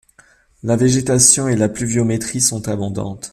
La végétation et la pluviométrie sont abondantes.